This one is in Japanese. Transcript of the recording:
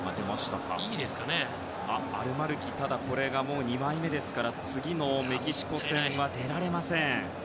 ただ、アルマルキこれが２枚目ですから次のメキシコ戦は出られません。